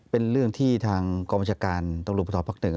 เป็นเรื่องที่ทางกรมจักรกรุงประทอบภักดิ์หนึ่ง